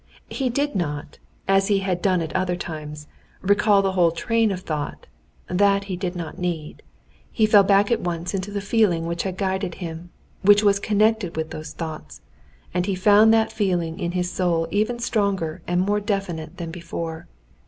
He did not, as he had done at other times, recall the whole train of thought—that he did not need. He fell back at once into the feeling which had guided him, which was connected with those thoughts, and he found that feeling in his soul even stronger and more definite than before.